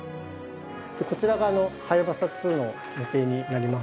こちらがはやぶさ２の模型になります。